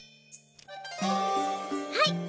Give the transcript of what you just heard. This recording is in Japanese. はい！